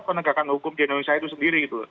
penegakan hukum di indonesia itu sendiri gitu